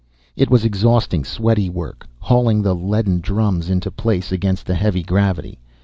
It was exhausting, sweaty work, hauling the leaden drums into place against the heavy gravity.